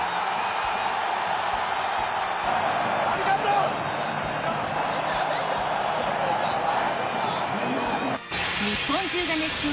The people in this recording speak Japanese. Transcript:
ありがとう。